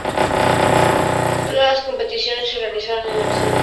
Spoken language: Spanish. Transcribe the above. Las competiciones se realizaron en el Centro Polideportivo de la ciudad francesa.